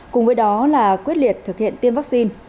cùng với đó là quyết liệt thực hiện tiêm vắc xin